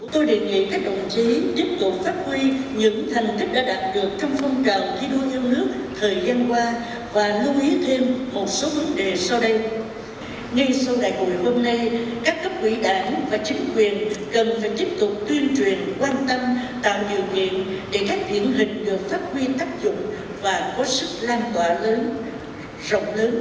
tôi đề nghị các đồng chí tiếp tục phát huy những thành tích đã đạt được trong phong trào thi đua yêu nước thời gian qua và lưu ý thêm một số vấn đề sau đây